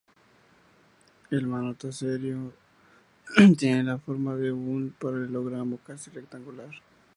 El monasterio tiene la forma de un paralelogramo casi rectangular.